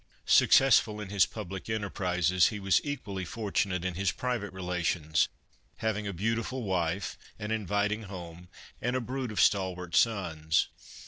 Successful in his public enterprises, he was equally fortunate in his private relations, having a beautiful wife, an invit ing home, and a brood of stalwart sons.